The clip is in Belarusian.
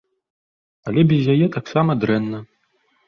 Але без яе таксама дрэнна.